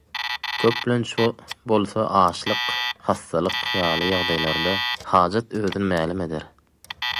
Köplenç bolsa açlyk, hassalyk ýaly ýagdaýlarda hajat özüni mälim eder.